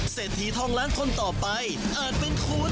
เศรษฐีทองล้านคนต่อไปอาจเป็นคุณ